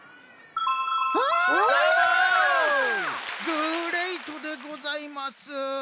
グレイトでございます！